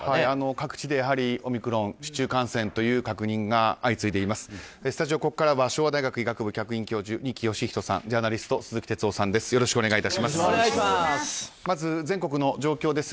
各地でオミクロン市中感染という確認が相次いでいます。